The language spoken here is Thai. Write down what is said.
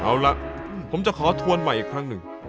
เอาละผมจะขอทวนใหม่อีกครั้งหนึ่ง